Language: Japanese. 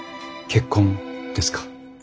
結婚ですか？